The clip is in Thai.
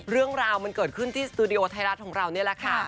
เรื่องราวมันเกิดขึ้นที่สตูดิโอไทยรัฐของเรานี่แหละค่ะ